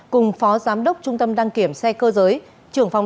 cùng phó giám đốc trung tâm đăng kiểm xe cơ giới trưởng phòng